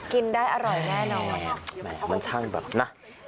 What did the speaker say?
กินได้อร่อยแน่นอนแหมมันช่างแบบนะ